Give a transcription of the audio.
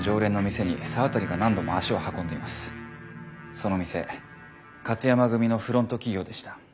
その店勝山組のフロント企業でした。